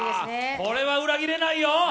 これは裏切れないよ。